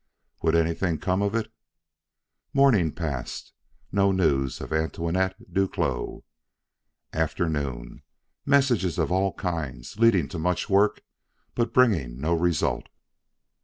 Would anything come of it? Morning passed; no news of Antoinette Duclos. Afternoon: messages of all kinds leading to much work, but bringing no result.